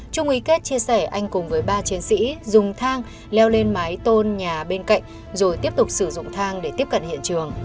trung ý kết chia sẻ anh cùng với ba chiến sĩ dùng thang leo lên mái tôn nhà bên cạnh rồi tiếp tục sử dụng thang để tiếp cận hiện trường